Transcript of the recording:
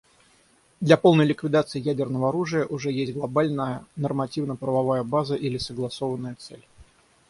Для полной ликвидации ядерного оружия уже есть глобальная нормативно-правовая база или согласованная цель.